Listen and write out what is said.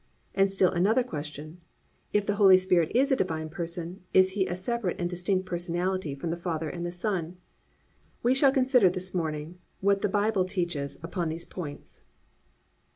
and still another question, If the Holy Spirit is a Divine person, is He a separate and distinct personality from the Father and the Son? We shall consider this morning what the Bible teaches upon these points.